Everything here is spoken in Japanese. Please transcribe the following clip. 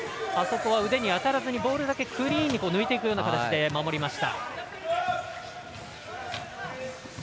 腕に当たらずにボールだけクリーンに抜いていく形で守りました。